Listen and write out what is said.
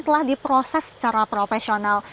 telah diproses secara profesional